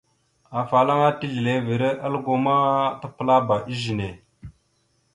Afalaŋana tislevere algo ma tapəlaba izəne.